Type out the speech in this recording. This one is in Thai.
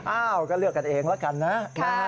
อ้าวก็เลือกกันเองแล้วกันนะ